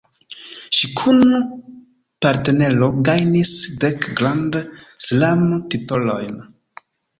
Ŝi kun partnero gajnis dek Grand Slam-titolojn.